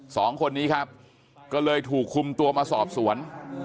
สองคนนี้ครับก็เลยถูกคุมตัวมาสอบสวน